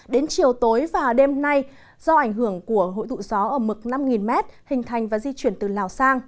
đến chiều tối và đêm nay do ảnh hưởng của hội tụ gió ở mực năm m hình thành và di chuyển từ lào sang